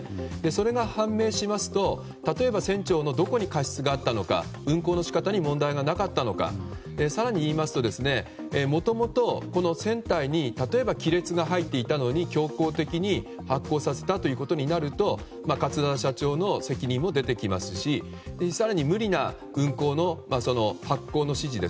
それが判明しますと例えば船長のどこに過失があったか運航に問題があったか更に言いますともともと船体に例えば亀裂が入っていたのに強行的に発航させたということになると桂田社長の責任も出てきますし更に無理な運航の指示